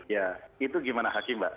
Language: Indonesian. ya itu gimana hakim mbak